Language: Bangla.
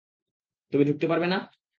তুমি ঢুকতে পারবে না?